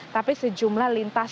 tapi sejumlah lintas